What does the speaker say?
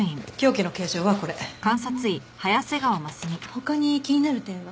他に気になる点は？